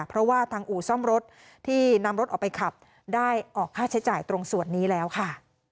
เพราะว่าทางอู่ซ่อมรถที่นำรถออกไปขับได้ออกค่าใช้จ่ายตรงส่วนนี้แล้วค่ะ